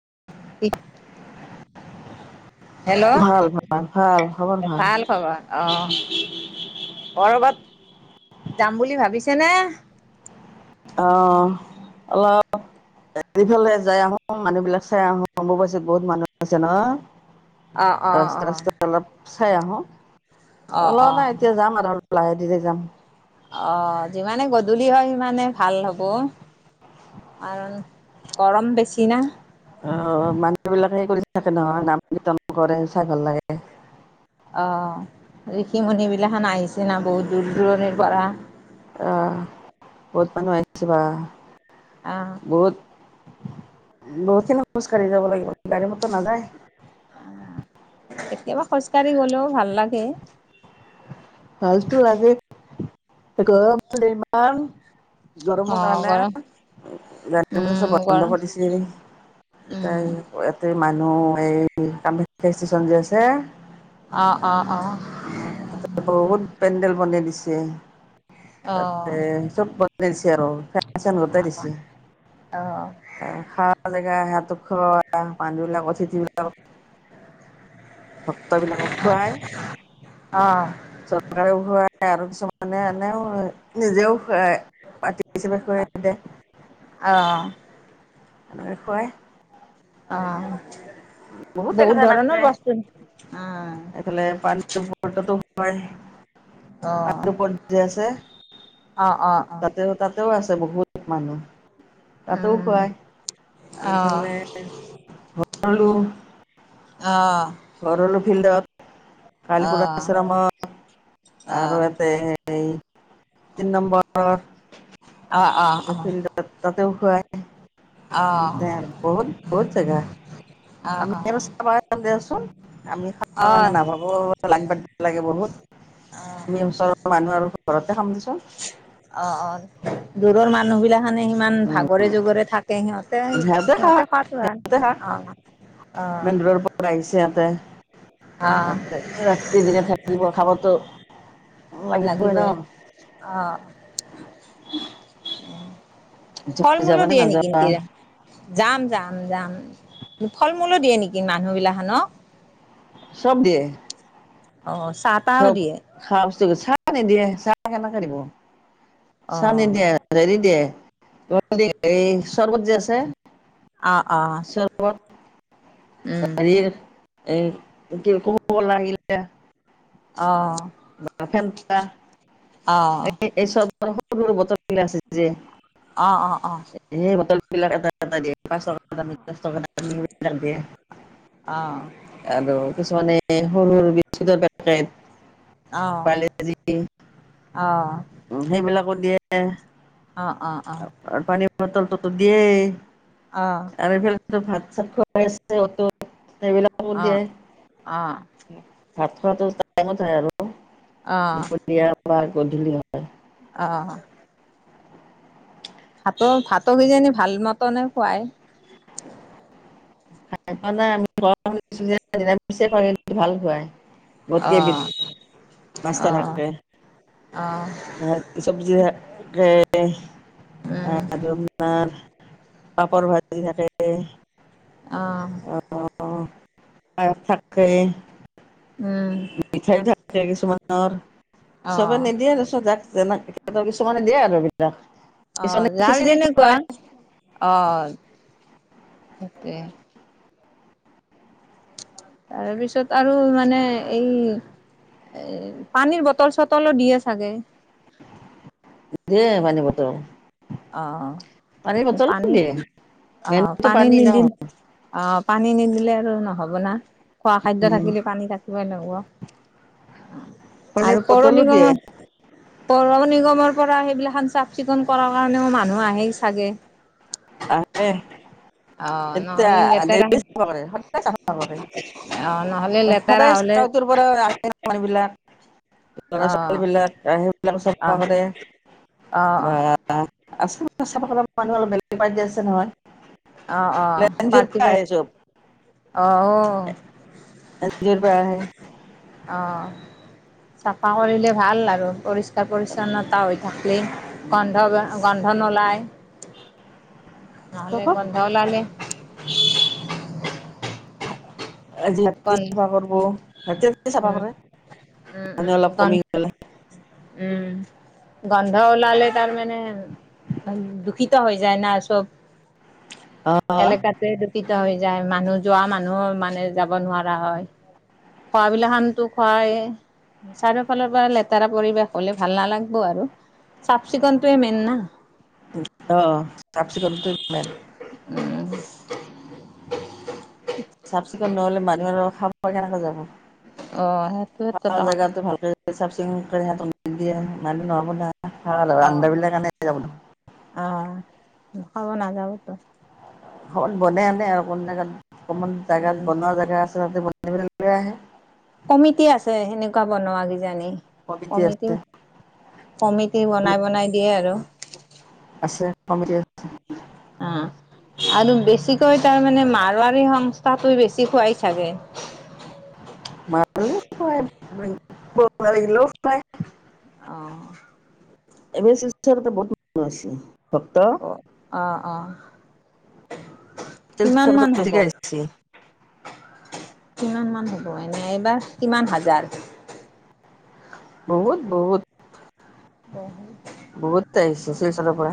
[unintelligible] Hello! ভাল ভাল ভাল খবৰ ভাল খবৰ? অ'! ক'ৰবাত, যাম বুলি ভাবিছেনে? অ'! অলপ এফালে যাই আহোঁ, মানুহ বিলাক চাই আহোঁ, অম্বুবাচী বহুত মানুহ আছে, ন'! অ', অ', অ', ৰাস্তা-ৰাস্তা অলপ, চাই আহোঁ। অ', ওলোৱা অ', নাই, এতিয়া যাম আৰু। লাহে-ধীৰে যাম। অ'! যিমানে গধূলি হয়, সিমানে ভাল হ'ব। কাৰণ, গৰম বেছি না! অ'! মানুহ বিলাকে কৰি থাকে নহয়, নাম-কীৰ্তন কৰে, চাই ভাল লাগে। সেইদিনাখন আহিছে না, বহুত দূৰ-দূৰণিৰ পৰা। আহ বহুত মানুহ আহিছে, বা! অ'! বহুত বহুত খিনি খোজ কাঢ়ি যাব লাগিব। গাড়ী-মটৰ নাযায়। কেতিয়াবা খোজকাঢ়ি গ'লেও ভাল লাগে। ভালটো লাগেই। গৰমো ইমান! গৰমৰ অ', কাৰনে। গৰম গাড়ী-মটৰ উম, চব বন্ধ গৰম কৰিছে। [unintelligible] উম, ইয়াতে মানুহ এই, কামাখ্যা ষ্টেচন যে আছে, অ' অ'! অ', অ, বহুত পেণ্ডেল বনাই দিছে। অ', অ', তাতে, চব ব দিছে আৰু, ফেন চেন লগাই দিছে। অ', আৰু খা জেগা হেয়াত খোৱা মানহ বিলাক, অতিথি বিলাকক ভক্তবিলাকক খুৱাই, অহ্। চৰকাৰে খুৱাই আৰু, কিছুমানে আনেও আৰু, নিজেও হয়। বাকি কিছুমান [unintelligible] অ', এনেকে খুৱাই। অহ্। উ [inaudible] বহুত [unintelligible] অ এইফালে পানী [unintelligible] অ [unintelligible] ওপৰদি আছে, অ অ অ তাতে আৰু তাত তেও আছে বহুত মানুহ। তাতেও উম খুওৱায়, আৰু অ অ এইফালে ভৰলু অ'। ভৰলু ফিল্ডত, অ অ কালিপূজা আশ্ৰমত আৰু ইয়াতে এই, তিনি নম্বৰৰ অ' অ', আহ। তেও খুওৱায়, বহুত জাগা, বহুত জাগাত। অ অ অ আমি, আমি চাবা যাওঁ দিয়াচোন, আমি খাবা কাৰণে নাভাবো লাইন পাতিব লাগে বহুত, আমি ওচৰৰ মানুহ আৰু, ঘৰতে খাম দেচোন। অ', অ', দূৰৰ মানুহবিলাক মানে সিমান উম, ভাগৰে-জোগৰে থাকে, সিহঁতে, সিহঁতে খোৱাতো ভাল। অ ইমান দূৰৰ পৰা আহিছে অ ইয়াতে। ৰাতি-দিনে থাকিব, খাবতো লাগিবই, অ', উম। তুমি ফল-মূলো যাবানে দিয়ে নেকি নাযাবা তে? যাম, যাম, যাম। ফল-মূলো দিয়ে নেকি মানুহগিলাখানক? সব দিয়ে। অ', চাহ-তাহও চব দিয়ে? খোৱা বস্তু চাহ নিদিয়ে, চাহ কেনেকৈ দিব, চাহ নিদিয়ে, অ', হেৰি দিয়ে এই চৰ্বত যে আছে অ, অ। উম, হেৰি, এই কোকাকোলা আনিলে। অ'। ফেণ্টা, অ', অ', এই এই চৰ্বতৰ সৰু-সৰু বটলবিলাক আছে যে অ, অ, অ'। [unintelligible] আৰু কিছুমানে সৰু-সৰু বিস্কুটৰ পেকেট। পাৰলেজি, উম' সেইবিলাকো দিয়ে। অ, অ, অ'। পটল-তটল দিয়েই আৰু এইফালেতো ভাত [unintelligible] অ, অ'। ভাত খোৱাটো টাইমত হয় আৰু, দুপৰীয়া বা গধূলি হয়। অহ। ভাতো, ভাতো কিজানি ভালমতনে খুওৱায়। খাই পোৱা নাই আমি, [unintelligible] ভাল খুওৱায়। বহুতখিনি অ', নাস্তা অ', থাকে। অ', [unintelligible] চব্জি [unintelligible] আৰু উম, আপোনাৰ পাপৰ ভাজি থাকে। অ'। [unintelligible] থাকে। উম। এতিয়া কিছুমানৰ সবে অ', নিদিয়ে দিয়কচোন, যাক যেনে কিছুমানে দিয়ে আৰু এইবিলাক। অ', যাৰ যেনেকুৱা, অ'। এতে তাৰপিছত আৰু মানে এই এই পানীৰ বটল-চটলো দিয়ে চাগে? দিয়ে পানীৰ বটল। অ'। পানী বটলো পানীত, দিয়ে অ', মেইনটো পানী ন নিদিল, অ', পানী নিদিল আৰু নহব না, খোৱা খাদ্য থাকিলে পানী থাকিবই লাগিব পানী আৰু পৌৰ বটলো দিয়ে নিগমৰ পৌৰ নিগমৰ পৰা সেইবিলাক চাফ চিকুণ কৰৰ কাৰণে মানুহ আহেই চাগে আহে। অ' নহ'লে লেতেৰা অ' নহ'লে লেতেৰা হ'লে [unintelligible] [inaudible] লৰা অ' ছোৱালীবিলাক আহে, সেইবিলাক চাফা অ' কৰে অ' অ' [unintelligible] আছে নহয়। অহ, অ', এন জি অ'ৰ পাৰটি, পৰা আহে চব অহ, অ',। [inaudible] অ', চাফা কৰিলে ভাল আৰু পৰিষ্ পৰিচ্ছন্নতা হৈ থাকিলে গন্ধ, গন্ধ নোলায় নহ'লে চবক গন্ধ ওলালে আজি ৰাতি গন চাফা কৰব, ৰাতি ৰাতি চাফা উম, কৰে উম, মানহ উম, অলপ গন কমি গলে উম। গন্ধ ওলালে তাৰ মানে দূষিত হৈ যায় না চব অ এলেকাতে দূষিত হৈ যায়, মানুহ যোৱা মানুহ মানে যাব নোৱাৰা হয়, খোৱাবিলাক খানতো খোৱাই চাৰিওফালৰ পৰা লেতেৰা পৰিৱেশ হ'লে ভাল নালাগব আৰু চাফ চিকুণটোৱেই মেইন না অ', চাফ চিকুনটোৱেই মেইন [unintelligible] চাফ চিকুণ নহলে মানুহ আৰু খাব কেনেকৈ যাব অ' সেইটো এটা কথা। জোগাতো ভালকৈ চাফ চিকুণ কৰি স দিয়ে নাইিলে নহ'ব না ৰন্ধা অ', বিলা কাৰণে যাব অ', খাব নাযাবতো অকমান বন আনে আৰু কোন জেগাত অকমান জোগাত উম। বনোৱা জেগা আছে তাতে বন প [unintelligible] আহে। কমিটি আছে সেনেকুৱা বনোৱা কিজানি কমিটি, কমিটি বনাই, বনাই দিয়ে আৰু অ [unintelligible] আৰু বেছিকৈ তাৰমানে, মাৰোৱাৰী সংস্থাটোই বেছি খোৱাই চাগে [inaudible] [unintelligible] অহ। এইবাৰ শিলচৰ পৰা বহুত মানুহ আহিছি। অ। অ'হ। অ'হ। শিলচৰৰ কিমানমান পৰা হ'ব? বেছিকৈ আহিছে কিমান মান হ'ব এনে এইবাৰ? কিমান হাজাৰ? বহুত। বহুত। বহুত আহিছে শিলচলৰ পৰা।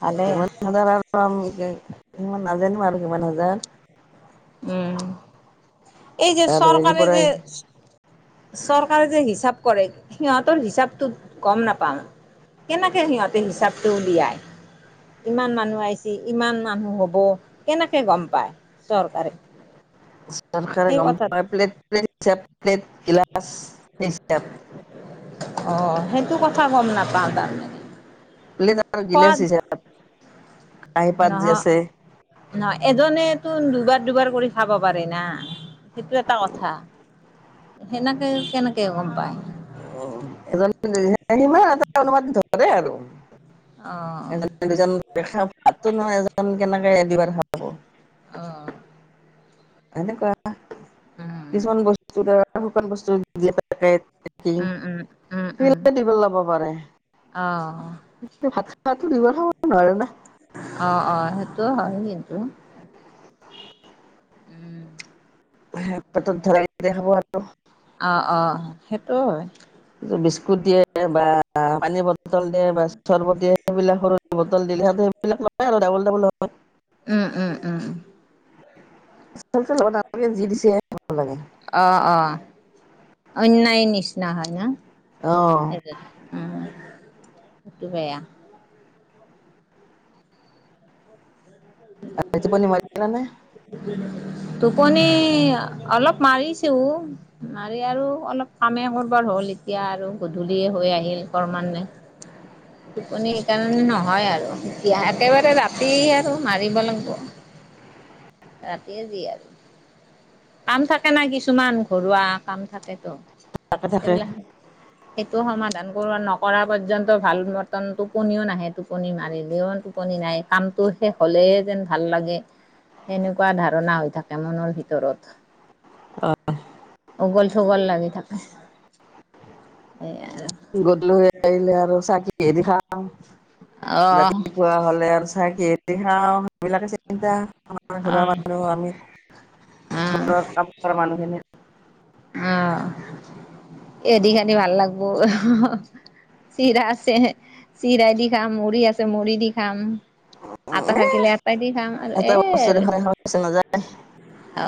ভালে কিমান হাজাৰ? [unintelligible] ইমান নাজানো আৰু। কিমান হাজাৰ। উম। এই যে আৰু হেৰিৰ চৰকাৰে পৰা যে চৰকাৰে যে হিচাপ কৰে, সিহঁতৰ হিচাপটো গম নাপাঙ। কেনেকে সিহঁতে হিচাপটো উলিয়াই। ইমান মানুহ আহিছি। ইমান মানুহ হ'ব। কেনেকে গম পায় চৰকাৰে? চৰকাৰে সেই গম কথাত পাই পে। [unintelligible] অ' হেই [unintelligible] গম নাপাওঁ তামানে - [inaudible] নহঅ যে আছে নয় এজনেতো দুবাত - দুবাৰ কৰি খাব পাৰে না সেইটো এটা কথা। সেনেকেই কেনেকে গম পায়? [inaudible] এজন অ দুজন দেখা অ [unintelligible] [inaudible] এনেকুৱা উম কিছুমান বস্তু দ্বাৰা শুকান বস্তু উম উম উম উম [unintelligible] [unintelligible] লব পাৰে - অ' তাতো [unintelligible] নোৱাৰেনে? অ, অ সেইটো হয় কিন্তু। উম [unintelligible] আৰু অ', অ', হেটো হয়। বিস্কুট দিয়ে বা পানীৰ বটল দিয়ে বা চৰ্বত দিয়ে সেইবিলাক সৰু বটল দিলহে সেইবিলাক নয় আৰু ডাবল, ডাবল [unintelligible] উ-উ - উ -উ আচলতে অনা লোকে যি দিছে সেইটোৱে ল'ব লাগে। অ, অ অন্যায় নিচিনা হয় না। অ এজন উম সেইটো বেয়া [unintelligible] এ টোপনি মাৰিলানে? টোপনি অলপ মাৰিছোঁ, মাৰি আৰু অলপ কামে কৰবা হ'ল। এতিয়া আৰু গধূলিয়ে হৈ আহিল ক্ৰমান্নে। টোপনি সেইকাৰণে নহয় আৰু এতিয়া একেবাৰে ৰাতি আৰু - মাৰিব লাগিবৌ ৰাতিয়ে যি আৰু কাম থাকে না কিছুমান ঘৰুৱা কাম থাকেতো থাকে সবিলাক থাকে [unintelligible] টো সমাধান কৰোৱা নকৰা পৰ্যন্ত ভাল মতন টোপনিও নাহে টোপনি মাৰিলেও ইমান টোপনি নাই সেই কামটো শেষ হলেহে যেন ভাল লাগে সেনেকুৱা ধাৰণা হৈ থাকে মনৰ ভিতৰত। অ উগুল - থুগুল লাগি থাকে এই আৰু [unintelligible] আহিলে আৰু চাকি হেৰিখন অহ ৰাতিপুৱা হ'লে আৰু চাহ কিহে খাওঁ? অহ [inaudible] অহ ঘৰৰ কাম কৰাৰ মানুহখিনি উম, এদিন আনি ভাল লাগবো চিৰা আছে, চিৰাই দি খাম, মুৰি আছে মূৰি দি খাম। আটা থাকিলে আটাই দি খাম আৰু এটা এ বস্তু আৰু দেখোন এখন বেচা নাযায় অ,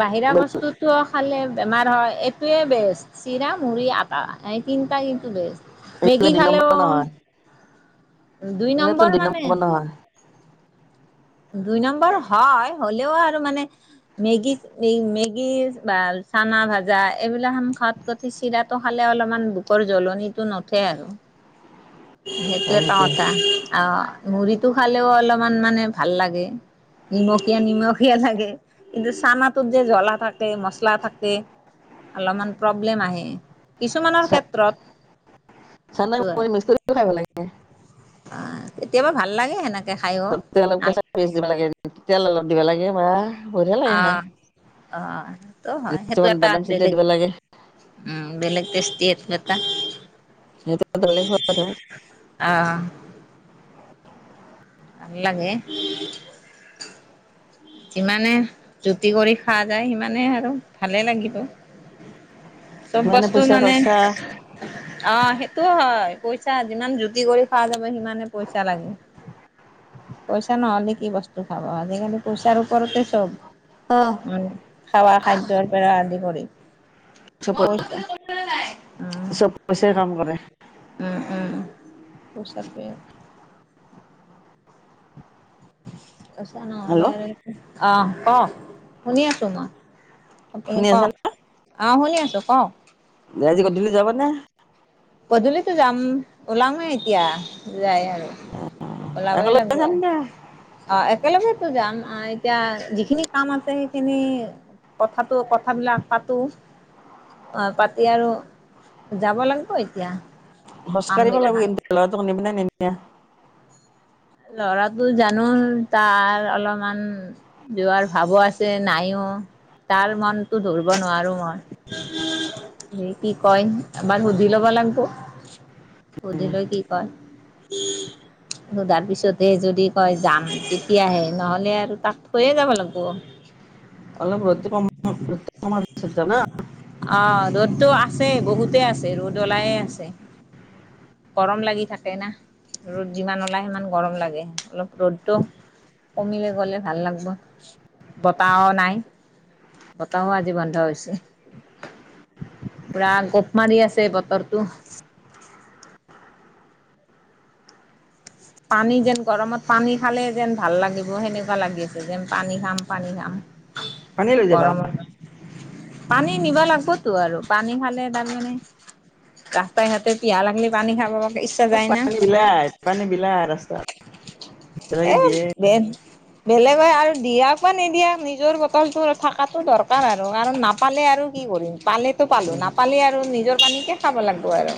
বাহিৰা বচ টো - টোৱ খালে বেমাৰ হয় এইটোৱে বেষ্ট চিৰা, মুড়ি, আটা এই তিনিটা কিন্তু বেষ্ট। মেগী এইবিলাক দুই নম্বৰ খালেও নহয় দুই নম্বৰ মানে দুই নম্বৰ হয় হ'লেও আৰু মানে মেগী- মেগী বা চা খানা ভাজা এইবিলাহান খাৱাতকৈ চিৰাটো খালে অলপমান বোকৰ জ্বলনিটো নুঠে আৰু। সিহেটে তাও এটা। আহ, মুৰিটো খালেওঁ অলমান মানে ভাল লাগে। নিমকীয়া - নিমকীয়া লাগে কিন্তু চানাটোত যে জ্বলা থাকে মচলা থাকে - অলমান প্ৰব্লেম আহে কিছুমানৰ ক্ষেত্ৰত চানা [unintelligible] [inaudible] অ, কেতিয়াবা ভাল লাগে সেনেক ত, অলপ কেচা পিচ দিব লাগে তেল অলপ দিব লাগে বা বঢ়িয়া লাগে খাই অ-অ সেইটো হয় সেইটো কিছুমান এটা বাদাম চিটিয়াই বেলেগ দিব লাগে উম, বেলেগ টেষ্টি আতি বত সেইটো এটা বেলেগ সোৱাদ হয় আহ। নলাগে। যিমানে জুতি কৰি খোৱা যায়, সিমানে আৰু ভালেই লাগিব চব সিমানে বস্তু পইচা মানে খৰচা অ সেইটো হয়। পইচা যিমান জুতি কৰি খোৱা যাব সিমানে পইচা লাগে। পইচা নহ'লে কি বস্তু খাব আজিকালি পইচাৰ ওপৰতে চব অহ ম খাৱা খাদ্যৰ পৰা আদি কৰি। চব পচ চব পইচাই কাম কৰে উম-উম-উম। পচাৰ পে কৈছা ন হেল্ল' দিয় আহ ক শুনি আছো মই। আপুনি শুনি ক আছা আহ শুনি আছো ক। আজি গধূলি যাব নে? পধূলিতো যাম ওলাম নে এতিয়া যাই আৰু ওলাবই একেলগে লাগিব যাম দে অ একেলগে যাম অ, এতিয়া যিখিনি কাম আছে সেইখিনি কথাতটো কথাবিলাক পাতো। অ, পাতি আৰু যাব লাগিব এতিয়া কাম খোজকাাঢ়িব লাগিব বিলাখান কিন্তু লোৱাটোক নিব নে নাই নিয়া। ল'ৰাটো জানো তাৰ অলপমান যোৱাৰ ভাৱো আছে। নাইও তাৰ মনতো ধৰিব নোৱাৰো মই সি কি কয় এবাৰ সুধি ল'ব সুধিলৈ কি ক সধাৰ পিছত পিছতে যদি কয় যাম তেতিয়াহে নহ'লে আৰু তাক থৈয়ে যাব লাগিব। অলপ ৰ'দ দিব ম আমাৰ অ ৰ'দতটো আছেই বহুতে আছে ৰ'দ ওলাইয়ে আছে। গৰম লাগি থাকে না ৰ'দ যিমান ওলায় সিমান গৰম লাগে অলপ ৰ'দটো কমিলে গলে ভাল লাগিব বতাহও নাই। বতাহ আজি বন্ধ হৈছে। পুৰা গোপ মাৰি আছে বতৰটো পানী যেন গৰমত পানী খালে যেন ভাল লাগিব সেনেকুৱা লাগি আছে যেন পানী খাম- পানী খাম। পানী লৈ যাবা পৰমৰ পানী নিব লাগিবতো আৰু পানী খালে তাৰমানে ৰাস্তাই ঘাটতে পহা লাগিলি পানী খাব ইচ্ছা ব যায় না পানী বিলাহ পানী বিলাহ ৰাস্তাত। বেলেগে এ, দিয়ে। বে বেলেগ হয় আৰু দিয়া [unintelligible] নিদিয়া নিজৰ বটলটো থকাটো দৰকাৰ আৰু আৰু কাৰণ নাপালে আৰু কি কৰিম। পালেতো পালোঁ নাপালে আৰু নিজৰ কানিকে খাব লাগিব আৰু।